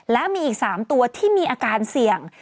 และมีอีก๓ตัวที่มีอาการเสี่ยง